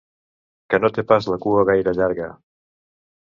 Que no té pas la cua gaire llarga.